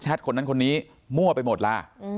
เพราะฉะนั้นคนนี้มั่วไปหมดล่ะ